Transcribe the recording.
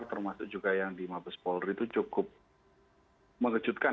termasuk juga yang di mabes polri itu cukup mengejutkan